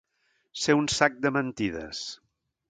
Ser un sac de mentides.